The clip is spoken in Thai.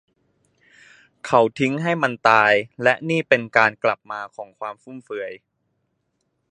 เขาทิ้งให้มันตาย และนี่เป็นการกลับมาของความฟุ่มเฟือย